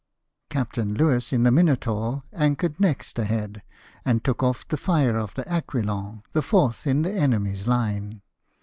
Captain Louis, in the Minotaur, anchored next ahead, and took off the fire of the Aquilon, the fourth in the enemy's line.